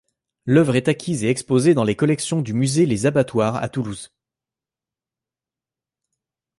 L'œuvre est acquise et exposée dans les collections du Musée Les Abattoirs à Toulouse.